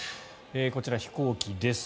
こちら、飛行機です。